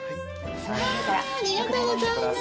ありがとうございます。